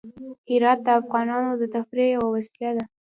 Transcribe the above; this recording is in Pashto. هرات د افغانانو د تفریح یوه وسیله ده.